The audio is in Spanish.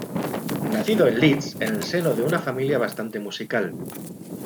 Nacido en Leeds en el seno de una familia bastante musical.